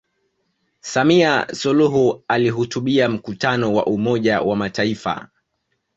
samia suluhu alihutubia mkutano wa umoja wa mataifa